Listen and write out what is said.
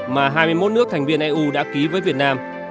mà hai mươi một nước thành viên eu đã ký với việt nam